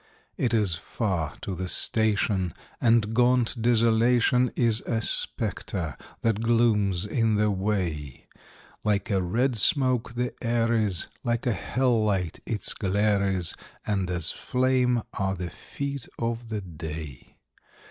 It is far to the station, and gaunt Desolation Is a spectre that glooms in the way; Like a red smoke the air is, like a hell light its glare is, And as flame are the feet of the day.